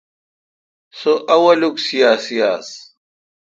سو اولوک سیاسی آس۔